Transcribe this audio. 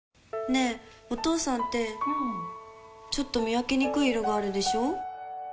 ねぇ、お父さんってうんちょっと見分けにくい色があるでしょ。